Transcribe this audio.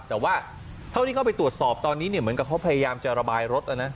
แต่ว่าเท่าที่เข้าไปตรวจสอบตอนนี้เนี่ยเหมือนกับเขาพยายามจะระบายรถแล้วนะ